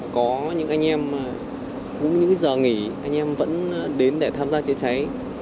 có những anh em cũng những giờ nghỉ anh em vẫn đến để tham gia chữa cháy